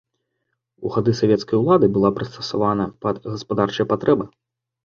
У гады савецкай улады была прыстасавана пад гаспадарчыя патрэбы.